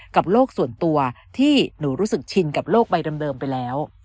โลกส่วนตัวที่หนูรู้สึกชินกับโลกใบเดิมไปแล้ว